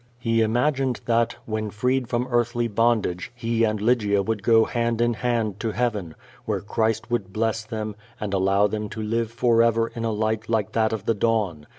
He imagined tAat, when freed from earthly bondage, he and Lygia would go\hand in hand to heaven, where Christ would bless them, and allow them to live forever in a light like that of the dawn.